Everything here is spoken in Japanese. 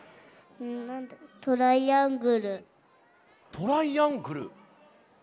トライアングル？